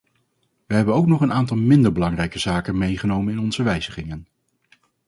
Wij hebben ook nog een aantal minder belangrijke zaken meegenomen in onze wijzigingen.